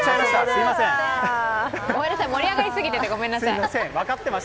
すいません盛り上がりすぎててごめんなさい。